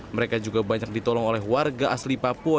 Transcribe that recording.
mereka juga banyak ditolong oleh warga asli papua